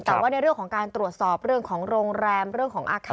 แต่ว่าในเรื่องของการตรวจสอบเรื่องของโรงแรมเรื่องของอาคาร